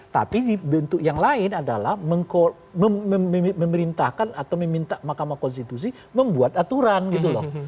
tapi bentuk yang lain adalah memerintahkan atau meminta mahkamah konstitusi membuat aturan gitu loh